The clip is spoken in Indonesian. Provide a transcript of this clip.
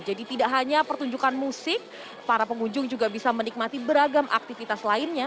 jadi tidak hanya pertunjukan musik para pengunjung juga bisa menikmati beragam aktivitas lainnya